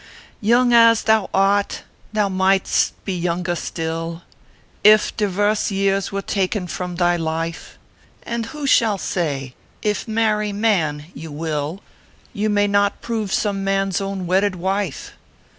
Young as thou art, thou might st be younger still, If divers years were taken from thy life : And who shall say, if marry man you will, You may not prove some man s own wedded wife